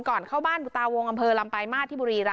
ก่อนเข้าบ้านบุตราวงอำเภอลำปลายมาท